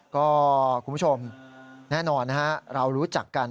ก็คุณผู้ชมแน่นอนนะฮะเรารู้จักกัน